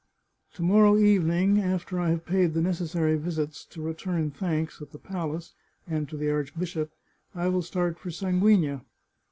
To morrow evening, after I have paid the necessary visits, to return thanks, at the palace, and to the archbishop, I will start for Sanguigna."